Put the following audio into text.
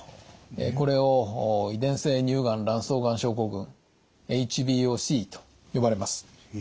これを遺伝性乳がん卵巣がん症候群ＨＢＯＣと呼ばれます。